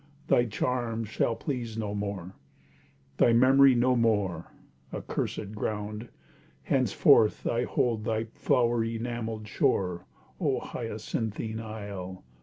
Thy charms shall please no more— Thy memory _no more! _Accursed ground Henceforth I hold thy flower enamelled shore, O hyacinthine isle!